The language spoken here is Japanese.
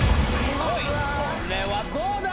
これはどうだ？